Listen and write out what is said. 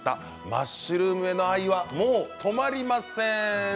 マッシュルームへの愛はもう止まりません。